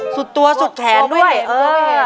สุดตัวสุดแขนด้วยโอ้โหไม่เห็น